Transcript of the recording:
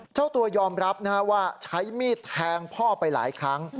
เจ้าตัวยอมรับว่าใช้มีดแทงพ่อไปหลายครั้ง